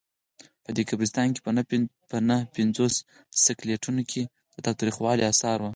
په دې قبرستان کې په نههپنځوس سکلیټونو کې د تاوتریخوالي آثار وو.